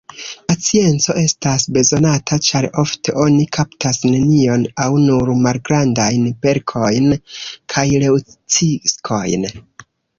Pacienco estas bezonata, ĉar ofte oni kaptas nenion aŭ nur malgrandajn perkojn kaj leŭciskojn.